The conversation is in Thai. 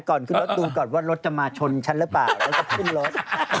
ก่อนขึ้นรถดูก่อนว่ารถจะมาชนฉันหรือเปล่าแล้วก็ขึ้นรถ